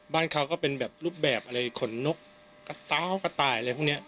บ้านเขาก็เป็นแบบรูปแบบอะไรขนนกกระเตากระต่ายอะไรพวกนี้